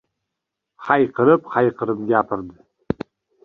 Hayqirib-hayqirib gapirdi.